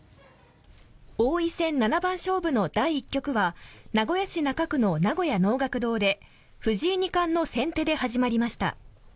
王位戦七番勝負の第１局は名古屋市中区の名古屋能楽堂で藤井二冠の先手で始まりました。